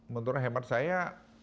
menurut hemat saya